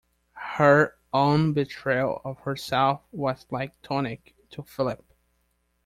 Her own betrayal of herself was like tonic to Philip.